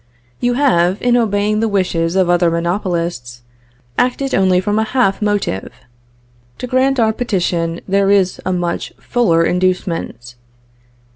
You have, in obeying the wishes of other monopolists, acted only from a half motive; to grant our petition there is a much fuller inducement.